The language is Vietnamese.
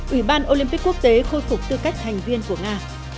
ủy ban olympic quốc tế khôi phục tư cách thành viên của nga